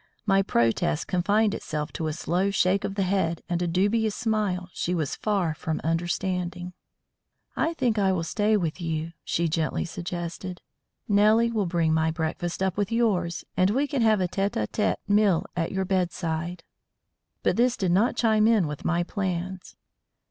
My protest confined itself to a slow shake of the head and a dubious smile she was far from understanding. "I think I will stay with you," she gently suggested. "Nellie will bring my breakfast up with yours, and we can have a tête à tête meal at your bedside." But this did not chime in with my plans.